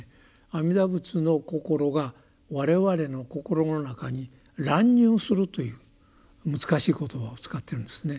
阿弥陀仏の心が我々の心の中に「攬入」するという難しい言葉を使ってるんですね。